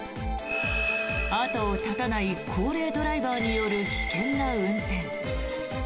後を絶たない高齢ドライバーによる危険な運転。